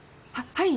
はい。